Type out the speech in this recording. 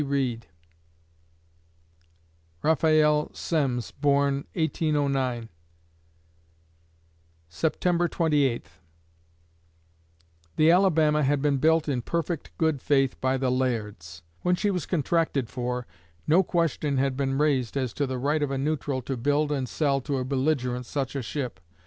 REED Raphael Semmes born, 1809 September Twenty Eighth The Alabama had been built in perfect good faith by the Lairds. When she was contracted for no question had been raised as to the right of a neutral to build and sell to a belligerent such a ship.